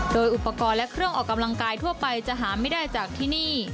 โดยอุปกรณ์และเครื่องออกกำลังกายทั่วไปจะหาไม่ได้จากที่นี่